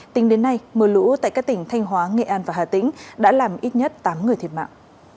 tính đến nay mưa lũ tại các tỉnh thanh hóa nghệ an và hà tĩnh đã làm ít nhất tám người thiệt mạng